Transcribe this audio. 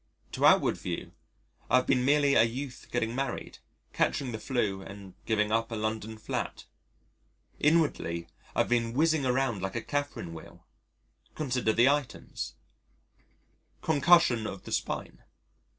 To outward view, I have been merely a youth getting married, catching the 'flu and giving up a London flat. Inwardly, I have been whizzing around like a Catherine Wheel. Consider the items: Concussion of the spine.